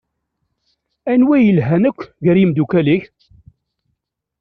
Anwa yelhan akk gar imdukal-ik?